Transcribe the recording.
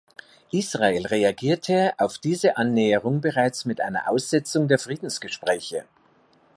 Israel reagierte auf diese Annäherung bereits mit einer Aussetzung der Friedensgespräche.